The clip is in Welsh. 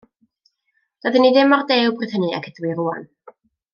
Doeddwn i ddim mor dew bryd hynny ag ydw i rŵan.